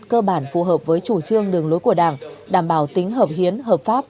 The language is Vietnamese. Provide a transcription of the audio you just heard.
cơ bản phù hợp với chủ trương đường lối của đảng đảm bảo tính hợp hiến hợp pháp